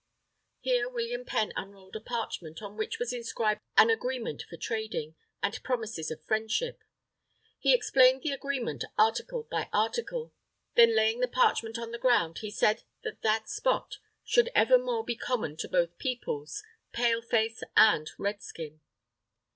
Here William Penn unrolled a parchment on which was inscribed an agreement for trading, and promises of friendship. He explained the agreement article by article. Then laying the parchment on the ground, he said that that spot should ever more be common to both Peoples, Pale face and Red Skin.